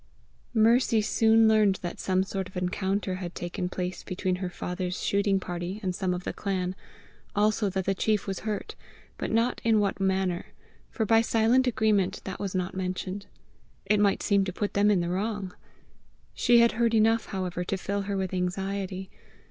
Mercy soon learned that some sort of encounter had taken place between her father's shooting party and some of the clan; also that the chief was hurt, but not in what manner for by silent agreement that was not mentioned: it might seem to put them in the wrong! She had heard enough, however, to fill her with anxiety.